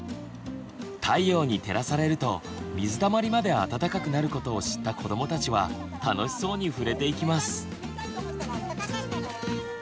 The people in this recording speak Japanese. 太陽に照らされると「水たまり」まで温かくなることを知った子どもたちは楽しそうに触れていきます。